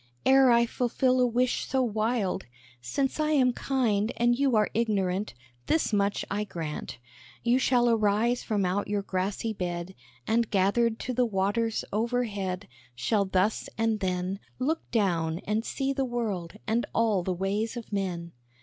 Ere I fulfil a wish so wild, Since I am kind and you are ignorant, This much I grant: You shall arise from out your grassy bed, And gathered to the waters overhead Shall thus and then Look down and see the world, and all the ways of men!"